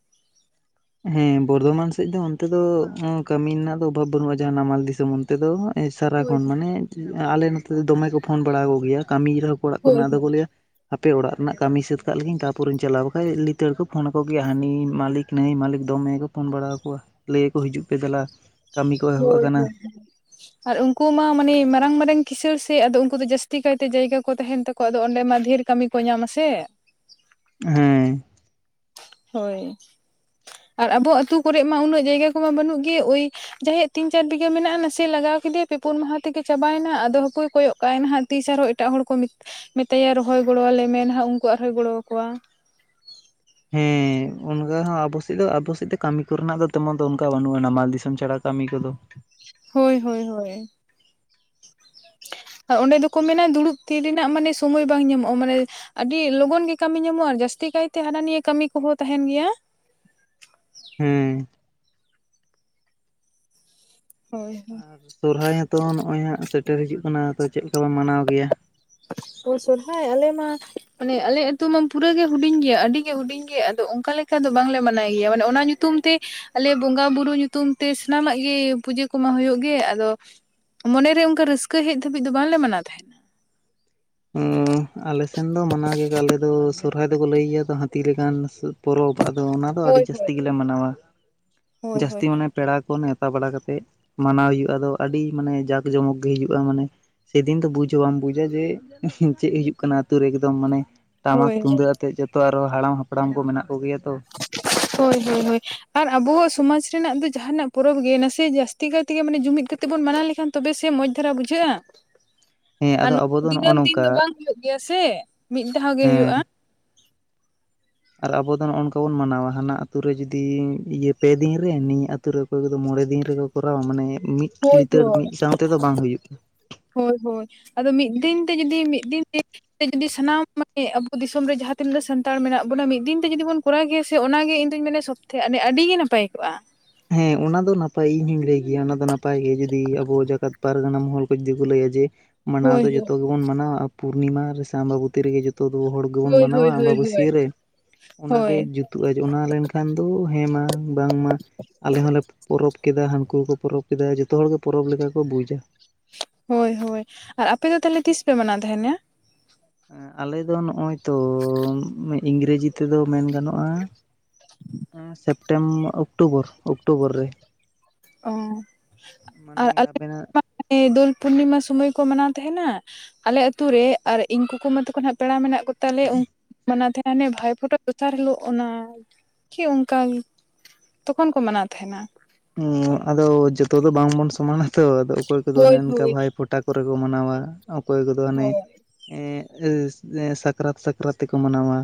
ᱦᱮᱸ ᱵᱚᱨᱫᱷᱚᱢᱟᱱ ᱥᱮᱡ ᱫᱚ ᱚᱱᱛᱮ ᱫᱚ ᱠᱟᱹᱢᱤ ᱨᱮᱱᱟᱜ ᱫᱚ ᱚᱵᱷᱟᱵ ᱵᱟᱹᱱᱩᱜ-ᱟ᱾ ᱡᱟᱦᱟᱸ ᱱᱟᱢᱟᱞ ᱫᱤᱥᱚᱢ ᱚᱱ ᱛᱮ ᱫᱚ ᱮ ᱦᱳᱭ ᱥᱟᱨᱟᱠᱷᱚᱱ ᱢᱟᱱᱮ ᱟᱞᱮ ᱱᱚᱛᱮ ᱫᱚ ᱫᱚᱢᱮ ᱠᱚ ᱯᱷᱳᱱ ᱵᱟᱲᱟ ᱠᱚ ᱜᱮᱭᱟ ᱠᱟᱹᱢᱤ ᱨᱮᱦᱚᱸ ᱚᱲᱟᱜ ᱦᱳᱭ ᱠᱚᱨᱮᱱᱟᱜ ᱟᱫᱚ ᱠᱚ ᱞᱟᱹᱭᱟ ᱦᱟᱯᱮ ᱚᱲᱟᱜ ᱨᱮᱱᱟᱜ ᱠᱟᱹᱢᱤ ᱥᱟᱹᱛ ᱠᱟᱜ ᱞᱮᱜᱤᱧ ᱛᱟᱯᱚᱨᱮᱧ ᱪᱟᱞᱟᱜ-ᱟ ᱵᱟᱠᱷᱟᱡ ᱞᱤᱛᱟᱹᱲ ᱠᱚ ᱯᱷᱳᱱ ᱟᱠᱚ ᱜᱮᱭᱟ ᱦᱟᱹᱱᱤ ᱢᱟᱹᱞᱤᱠ ᱱᱟᱹᱭ ᱢᱟᱹᱞᱤᱠ ᱫᱚᱢᱮ ᱠᱚ ᱯᱳᱱ ᱵᱟᱲᱟ ᱟᱠᱚᱣᱟ᱾ ᱞᱟᱹᱭ ᱟᱠᱚ ᱦᱤᱡᱩᱜ ᱯᱮ ᱫᱮᱞᱟ ᱠᱟᱹᱢᱤ ᱠᱚ ᱮᱦᱚᱵ ᱦᱳᱭ ᱠᱟᱱᱟ᱾ ᱦᱳᱭ ᱟᱨ ᱩᱱᱠᱩ ᱢᱟ ᱢᱟᱱᱮ ᱢᱟᱨᱟᱝ ᱢᱟᱨᱟᱝ ᱠᱤᱥᱟᱹᱲ ᱥᱮ ᱟᱫᱚ ᱩᱱᱠᱩ ᱫᱚ ᱡᱟᱹᱥᱛᱤ ᱠᱟᱭᱛᱮ ᱡᱟᱭᱜᱟ ᱠᱚ ᱛᱟᱦᱮᱱ ᱛᱟᱠᱚ ᱠᱚᱣᱟ᱾ ᱟᱫᱚ ᱚᱸᱰᱮ ᱢᱟ ᱫᱷᱮᱨ ᱠᱟᱹᱢᱤ ᱠᱚ ᱧᱟᱢᱟ ᱥᱮ᱾ ᱦᱮᱸ᱾ ᱦᱳᱭ, ᱟᱨ ᱟᱵᱚ ᱟᱛᱩ ᱠᱚᱨᱮᱜ ᱢᱟ ᱩᱱᱟᱹᱜ ᱡᱟᱭᱜᱟ ᱠᱚᱢᱟ ᱵᱟᱹᱱᱩᱜ ᱜᱮ ᱳᱭ ᱡᱟᱦᱟᱸᱭᱟᱜ ᱛᱤᱱ ᱪᱟᱨ ᱵᱤᱜᱷᱟᱹ ᱢᱮᱱᱟᱜ-ᱟ ᱱᱟᱥᱮ ᱞᱟᱜᱟᱣ ᱠᱮᱫᱮᱟᱭ᱾ ᱯᱮ-ᱯᱩᱱ ᱢᱟᱦᱟ ᱛᱮᱜᱮ ᱪᱟᱵᱟᱭᱱᱟ ᱟᱫᱚ ᱦᱟᱹᱯᱳᱭ ᱠᱚᱭᱚᱜ ᱠᱟᱜᱟᱭ ᱱᱟᱦᱟᱜ ᱛᱤᱥ ᱟᱨᱦᱚᱸ ᱮᱴᱟᱜ ᱦᱚᱲ ᱠᱚ ᱢᱮᱛᱟᱭᱟ ᱨᱚᱦᱚᱭ ᱜᱚᱲᱚᱣᱟᱞᱮ ᱢᱮ ᱱᱟᱦᱟᱜ ᱩᱱᱠᱩ ᱟᱨᱚᱦᱚᱭ ᱜᱚᱲᱚᱣᱠᱚᱣᱟ᱾ ᱦᱮᱸ ᱚᱱᱠᱟ ᱦᱚᱸ ᱟᱵᱚ ᱥᱮᱫ ᱫᱚ ᱟᱵᱚ ᱥᱮᱫ ᱫᱚ ᱠᱟᱹᱢᱤ ᱠᱚᱨᱮᱱᱟᱜ ᱫᱚ ᱛᱮᱢᱚᱱ ᱫᱚ ᱚᱱᱠᱟ ᱵᱟᱹᱱᱩᱜ-ᱟ ᱱᱟᱢᱟᱞ ᱫᱤᱥᱚᱢ ᱪᱷᱟᱲᱟ ᱠᱟᱹᱢᱤ ᱠᱚᱫᱚ᱾ ᱦᱳᱭ ᱦᱳᱭ ᱦᱳᱭ᱾ ᱟᱨ ᱚᱸᱰᱮ ᱫᱚᱠᱚ ᱢᱮᱱᱟ ᱫᱩᱲᱩᱵ ᱛᱷᱤᱨ ᱨᱮᱱᱟᱜ ᱢᱟᱱᱮ ᱥᱚᱢᱚᱭ ᱵᱟᱝ ᱧᱟᱢᱚᱜ-ᱟ ᱢᱟᱱᱮ ᱟᱹᱰᱤ ᱞᱚᱜᱚᱱ ᱜᱮ ᱠᱟᱹᱢᱤ ᱧᱟᱢᱚᱜᱼᱟ ᱡᱟᱹᱥᱛᱤ ᱠᱟᱭᱛᱮ ᱦᱟᱱᱟ ᱱᱤᱭᱟᱹ ᱠᱟᱹᱢᱤ ᱠᱚᱦᱚᱸ ᱛᱟᱦᱮᱱ ᱜᱮᱭᱟ᱾ ᱦᱩᱸᱻ ᱦᱳᱭ ᱦᱳ ᱟᱨ ᱥᱚᱨᱦᱟᱭ ᱦᱚᱸ ᱛᱚ ᱱᱚᱜᱼᱚᱭ ᱦᱟᱸᱜ ᱥᱮᱴᱮᱨ ᱦᱤᱡᱩᱜ ᱠᱟᱱᱟ ᱛᱚ ᱪᱮᱫ ᱞᱮᱠᱟᱯᱮ ᱢᱟᱱᱟᱣ ᱜᱮᱭᱟ? ᱚ ᱥᱚᱨᱚᱦᱟᱭ ᱟᱞᱮ ᱢᱟ ᱢᱟᱱᱮ ᱟᱞᱮ ᱟ ᱟᱹᱛᱩ ᱢᱟ ᱯᱩᱨᱟᱹᱜᱮ ᱦᱩᱰᱤᱧ ᱜᱮᱭᱟ ᱟᱹᱰᱤ ᱜᱮ ᱦᱩᱰᱤᱧ ᱜᱮᱭᱟ ᱟᱫᱚ ᱚᱱᱠᱟ ᱞᱮᱠᱟ ᱮᱱᱠᱷᱟ ᱫᱚ ᱵᱟᱝᱞᱮ ᱢᱟᱱᱟᱣ ᱜᱮᱭᱟ ᱢᱟᱱᱮ ᱚᱱᱟ ᱧᱩᱛᱩᱢ ᱛᱮ ᱟᱞᱮ ᱵᱚᱸᱜᱟ ᱵᱩᱨᱩ ᱧᱩᱛᱩᱢ ᱛᱮ ᱥᱟᱱᱟᱢᱟᱜ ᱜᱮ ᱯᱩᱡᱟᱹ ᱠᱚᱢᱟ ᱦᱩᱭᱩᱜ ᱜᱮ ᱟᱫᱚ ᱢᱚᱱᱮᱨᱮ ᱚᱱᱠᱟ ᱨᱟᱹᱥᱠᱟᱹ ᱦᱮᱡ ᱫᱷᱟᱹᱵᱤᱡ ᱫᱚ ᱵᱟᱝᱞᱮ ᱢᱟᱱᱟᱣ ᱛᱟᱸᱦᱮᱱ᱾ ᱩᱸ ᱟᱞᱮ ᱥᱮᱱ ᱫᱚ ᱢᱟᱱᱟᱣ ᱜᱮᱠᱚ ᱟᱞᱮ ᱫᱚ ᱥᱚᱨᱦᱟᱭ ᱫᱚᱠᱚ ᱞᱟᱹᱭ ᱜᱮᱭᱟ ᱛᱚ ᱦᱟᱛᱤ ᱞᱮᱠᱟᱱ ᱥᱚᱨ ᱯᱚᱨᱚᱵᱽ ᱟᱫᱚ ᱚᱱᱟᱫᱚ ᱟᱹᱰᱤ ᱦᱳᱭ ᱦᱳᱭ ᱡᱟᱹᱥᱛᱤ ᱜᱮᱞᱮ ᱢᱟᱱᱟᱣᱟ, ᱦᱳᱭ ᱡᱟᱹᱥᱛᱤ ᱦᱳᱭ ᱢᱟᱱᱮ ᱯᱮᱲᱟ ᱠᱚ ᱱᱮᱣᱛᱟ ᱵᱟᱲᱟ ᱠᱟᱛᱮᱜ ᱢᱟᱱᱟᱣ ᱦᱩᱭᱩᱜᱼᱟ ᱟᱫᱚ ᱟᱹᱰᱤ ᱢᱟᱱᱮ ᱡᱟᱠ ᱡᱚᱢᱚᱠ ᱜᱮ ᱦᱩᱭᱩᱜᱼᱟ ᱢᱟᱱᱮ ᱥᱮᱫᱤᱱ ᱫᱚ ᱵᱩᱡ ᱦᱚᱸ ᱵᱟᱢ ᱵᱩᱡᱟ ᱡᱮ ᱪᱮᱫ ᱦᱩᱭᱩᱜ ᱠᱟᱱᱟ ᱟᱛᱳ ᱨᱮ ᱮᱠᱫᱚᱢ ᱢᱟᱱᱮ ᱴᱟᱢᱟᱠ ᱦᱳᱭ ᱛᱩᱢᱫᱟᱹᱜ ᱟᱛᱮᱜ ᱡᱚᱛᱚ ᱟᱨᱚ ᱦᱟᱲᱟᱢ ᱦᱟᱯᱲᱟᱢ ᱠᱚ ᱢᱮᱱᱟᱜ ᱠᱚᱜᱮᱭᱟ ᱛᱚ ᱾ *inaudible* ᱦᱳᱭ ᱦᱳᱭ ᱦᱳᱭ ᱟᱨ ᱟᱵᱚᱣᱟᱜ ᱥᱚᱢᱟᱡᱽ ᱨᱮᱱᱟᱜ ᱫᱚ ᱡᱟᱦᱟᱱᱟᱜ ᱯᱚᱨᱚᱵᱽ ᱜᱮ ᱱᱟᱥᱮ ᱡᱟᱹᱥᱛᱤ ᱠᱟᱭ ᱛᱮ ᱢᱟᱱᱮ ᱡᱩᱢᱤᱫ ᱠᱟᱛᱮ ᱵᱚᱱ ᱢᱟᱱᱟᱣ ᱞᱮᱠᱷᱟᱱ ᱛᱚᱵᱮ ᱥᱮ ᱢᱚᱡᱽ ᱫᱷᱟᱨᱟ ᱵᱩᱡᱷᱟᱹᱜᱼᱟ᱾ *inaudible* ᱟᱨ ᱟᱫᱚ ᱱᱚ ᱟᱵᱚ ᱫᱚ ᱱᱚᱜᱼᱚ ᱫᱤᱱᱟᱹᱢ ᱫᱤᱱ ᱱᱚᱝᱠᱟ ᱫᱚ ᱵᱟᱝ ᱦᱩᱭᱩᱜ ᱜᱮᱭᱟ ᱥᱮ ᱢᱤᱫ ᱫᱷᱟᱣ ᱜᱮ ᱦᱩᱭᱩᱜᱼᱟ᱾ ᱦᱮᱸ ᱟᱨ ᱟᱵᱚ ᱫᱚ ᱱᱚᱜᱼᱚ ᱱᱚᱝᱠᱟ ᱵᱚᱱ ᱢᱟᱱᱟᱣᱟ ᱦᱟᱱᱟ ᱟᱹᱛᱩ ᱨᱮ ᱡᱩᱫᱤ ᱤᱭᱟᱹ ᱯᱮ ᱫᱤᱱ ᱨᱮ ᱱᱤᱭᱟᱹ ᱟᱛ ᱛᱳ ᱨᱮ ᱚᱠᱚᱭ ᱠᱚᱫᱚ ᱢᱚᱬᱮ ᱫᱤᱱ ᱨᱮᱠᱚ ᱠᱚᱨᱟᱣᱟ ᱢᱟᱱᱮ ᱢᱤᱫ ᱦᱳᱭ ᱞᱤᱛᱟᱹᱲ ᱦᱳᱭ ᱢᱤᱫ ᱥᱟᱝ ᱛᱮᱫᱚ ᱵᱟᱝ ᱦᱩᱭᱩᱜ-ᱟ ᱦᱳᱭ ᱦᱳᱭ ᱟᱫᱚ ᱢᱤᱫ ᱫᱤᱱ ᱛᱮ ᱡᱩᱫᱤ ᱢᱤᱫ ᱫᱤᱱ ᱡᱩᱫᱤ ᱥᱟᱱᱟᱢ ᱢᱟᱱᱮ ᱟᱵᱚ ᱫᱤᱥᱚᱢ ᱨᱮ ᱡᱟᱦᱟᱸ ᱛᱤᱱᱟᱹᱜ ᱥᱟᱱᱛᱟᱲ ᱢᱮᱱᱟᱜ ᱵᱚᱱᱟ ᱢᱤᱫ ᱫᱤᱱ ᱛᱮ ᱡᱩᱫᱤ ᱵᱚᱱ ᱠᱚᱨᱟᱣ ᱠᱮᱭᱟ ᱥᱮ ᱚᱱᱟᱜᱮ ᱤᱧᱫᱩᱧ ᱢᱮᱱᱟ ᱥᱚᱵᱽᱛᱷᱮ ᱟᱹᱰᱤ ᱜᱮ ᱱᱟᱯᱟᱭ ᱠᱚᱜᱼᱟ᱾ ᱦᱮᱸ ᱚᱱᱟ ᱫᱚ ᱱᱟᱯᱟᱭ ᱤᱧ ᱦᱚᱧ ᱞᱟᱹᱭ ᱜᱮᱭᱟ ᱚᱱᱟ ᱫᱚ ᱱᱟᱯᱟᱭ ᱤᱧ ᱦᱩᱧ ᱞᱟᱹᱭ ᱜᱮᱭᱟ ᱡᱩᱫᱤ ᱟᱵᱚ ᱡᱟᱠᱟᱛ ᱯᱟᱨᱜᱟᱱᱟ ᱢᱚᱦᱚᱞ ᱠᱚ ᱡᱩᱫᱤ ᱠᱚ ᱞᱟᱹᱭᱟ ᱡᱮ ᱢᱟᱱᱟᱣ ᱦᱳᱭ ᱫᱚ ᱦᱳᱭ ᱡᱚᱛᱚ ᱜᱮᱵᱚᱱ ᱢᱟᱱᱟᱣᱟ ᱟᱨ ᱯᱩᱨᱱᱤᱢᱟ ᱨᱮ ᱥᱮ ᱟᱢᱵᱟᱵᱚᱛᱤ ᱨᱮᱜᱮ ᱡᱚᱛ ᱛᱚ ᱫᱚ ᱦᱚᱲ ᱜᱮᱵᱚᱱ ᱦᱳᱭ ᱢᱟᱱᱟᱣᱟ ᱦᱳᱭ ᱦᱳᱭ ᱦᱳᱭ ᱟᱢᱵᱟᱵᱟᱹᱥᱭᱟᱹ ᱨᱮ, ᱚᱱᱟᱜᱮ ᱦᱳᱭ ᱡᱩᱫ ᱛᱩᱜᱼᱟ ᱚᱱᱟ ᱞᱮᱱᱠᱷᱟᱱ ᱫᱚ ᱦᱮᱸ ᱢᱟ ᱵᱟᱝᱢᱟ ᱟᱞᱮ ᱦᱚᱸᱞᱮ ᱯᱚᱨᱚᱵᱽ ᱠᱮᱫᱟ ᱦᱟᱹᱱᱠᱩᱠᱚ ᱯᱚᱨᱚᱵᱽ ᱠᱮᱫᱟ ᱡᱚᱛᱚ ᱦᱚᱲᱜᱮ ᱯᱚᱨᱚᱵᱽ ᱞᱮᱠᱟ ᱠᱚ ᱵᱩᱡᱟ᱾ ᱦᱳᱭ ᱦᱳᱭ ᱟᱨ ᱟᱯᱮ ᱫᱚ ᱛᱟᱦᱞᱮ ᱛᱤᱥ ᱯᱮ ᱢᱟᱱᱟᱣ ᱛᱟᱦᱮᱱᱟ? ᱮᱸᱜ ᱟᱞᱮ ᱫᱚ ᱱᱚᱜᱼᱚᱭ ᱛᱚ ᱤᱝᱨᱮᱡᱤ ᱛᱮᱫᱚ ᱢᱮᱱ ᱜᱟᱱᱚᱜᱼᱟ ᱮᱸ ᱥᱮᱯᱴᱮᱢ ᱚᱠᱴᱳᱵᱚᱨ ᱚᱠᱴᱳᱵᱚᱨ ᱨᱮ᱾ ᱚ ᱟᱨ ᱢᱟᱱᱮ ᱟᱞᱮ ᱟᱵᱮᱱᱟᱜ *unintelligible* ᱫᱳᱞ ᱯᱩᱨᱱᱤᱢᱟ ᱥᱩᱢᱚᱭ ᱠᱚ ᱢᱟᱱᱟᱣ ᱛᱟᱦᱮᱱᱟ ᱟᱞᱮ ᱟᱛᱩᱨᱮ ᱟᱨ ᱤᱧ ᱠᱩᱠᱩᱢᱟ ᱛᱟᱠᱚ ᱱᱟᱦᱟᱜ ᱯᱮᱲᱟ ᱢᱮᱱᱟᱜ ᱠᱚᱛᱟᱞᱮ ᱩᱱ *unintelligible* ᱢᱟᱱᱟᱣ ᱛᱟᱦᱮᱸᱱ ᱾ ᱢᱟᱱᱮ ᱵᱷᱟᱭ ᱯᱷᱳᱴᱟ ᱫᱚᱥᱟᱨ ᱦᱤᱞᱳᱜ ᱚᱱᱟ ᱠᱤ ᱚᱱᱠᱟ ᱛᱚᱠᱷᱚᱱ ᱠᱚ ᱢᱟᱱᱟᱣ ᱛᱟᱦᱮᱱᱟ᱾ ᱟᱫᱚ ᱡᱚᱛᱚ ᱫᱚ ᱵᱟᱝ ᱵᱚᱱ ᱥᱚᱢᱟᱱᱟ ᱛᱚ ᱟᱫᱚ ᱚᱠᱚᱭ ᱠᱚᱫᱚ ᱚᱱᱮ ᱦᱳᱭ ᱚᱱᱠᱟ ᱦᱳᱭ ᱵᱷᱟᱭ ᱯᱷᱚᱴᱟ ᱠᱚᱨᱮ ᱠᱚ ᱢᱟᱱᱟᱣᱟ ᱚᱠᱚᱭ ᱠᱚᱫᱚ ᱦᱟᱱᱮ ᱦᱳᱭ ᱮᱸ ᱟᱹ ᱥᱟᱠᱨᱟᱛ ᱥᱟᱠᱨᱟᱛ ᱛᱮᱠᱚ ᱢᱟᱱᱟᱣᱟ᱾